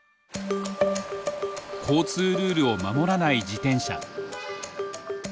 交通ルールを守らない自転車。